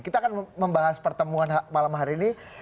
kita akan membahas pertemuan malam hari ini